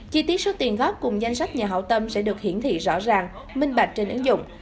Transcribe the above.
chi tiết số tiền góp cùng danh sách nhà hậu tâm sẽ được hiển thị rõ ràng minh bạch trên ứng dụng